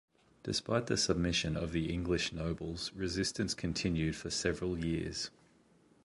Despite the submission of the English nobles, resistance continued for several years.